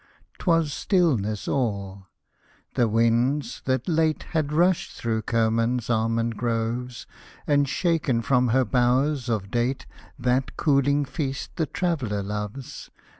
'Twas stillness all — the winds that late Had rushed through Kerman's almond groves, And shaken from her bowers of date That cooling feast the traveller loves.